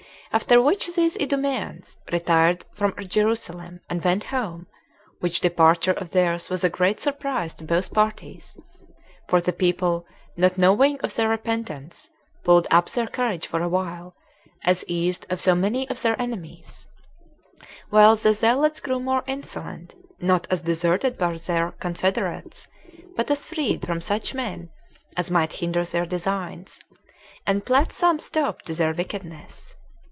After which these Idumeans retired from Jerusalem, and went home; which departure of theirs was a great surprise to both parties; for the people, not knowing of their repentance, pulled up their courage for a while, as eased of so many of their enemies, while the zealots grew more insolent not as deserted by their confederates, but as freed from such men as might hinder their designs, and plot some stop to their wickedness.